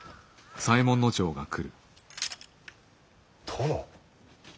殿。